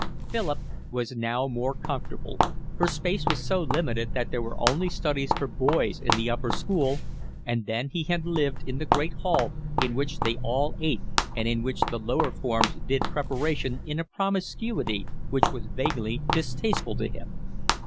Philip was now more comfortable, for space was so limited that there were only studies for boys in the upper school, and till then he had lived in the great hall in which they all ate and in which the lower forms did preparation in a promiscuity which was vaguely distasteful to him.